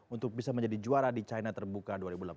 untuk bisa menjadi juara di china terbuka dua ribu delapan belas